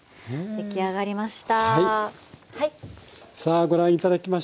出来上がりました。